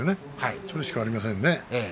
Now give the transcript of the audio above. それしかありませんね。